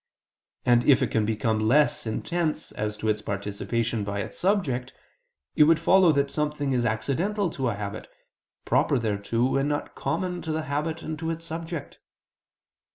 And if it can become less intense as to its participation by its subject, it would follow that something is accidental to a habit, proper thereto and not common to the habit and its subject.